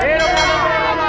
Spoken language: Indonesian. hidup di jaya lama